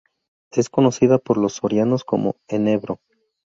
Es conocida por lo sorianos como "enebro".